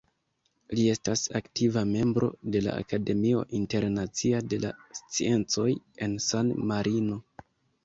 Li estas aktiva membro de la Akademio Internacia de la Sciencoj en San Marino.